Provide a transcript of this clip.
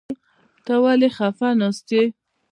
ته ولې خپه ناسته يې ؟